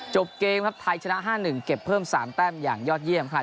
จบเกมครับไทยชนะ๕๑เก็บเพิ่ม๓แต้มอย่างยอดเยี่ยมครับ